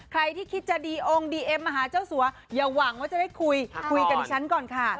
ใครที่คิดจะดีองค์ดีเอ็มมาหาเจ้าสัวอย่าหวังว่าจะได้คุยคุยกับดิฉันก่อนค่ะ